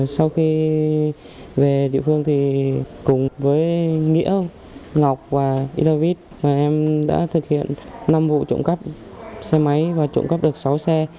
sau khi về địa phương thì cùng với nghĩa ngọc và idovit em đã thực hiện năm vụ trộm cắp xe máy và trộm cắp được sáu xe